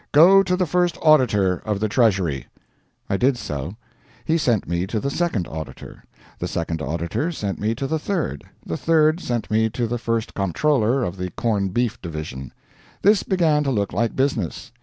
Go to the First Auditor of the Treasury." I did so. He sent me to the Second Auditor. The Second Auditor sent me to the Third, and the Third sent me to the First Comptroller of the Corn Beef Division. This began to look like business.